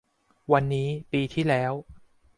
วันนี้ ปีที่แล้ว